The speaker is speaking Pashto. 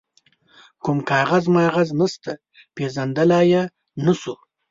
کوم کاغذ ماغذ نشته، پيژندلای يې نه شو.